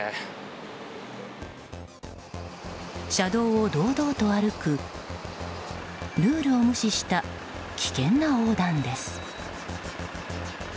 車道を堂々と歩くルールを無視した危険な横断です。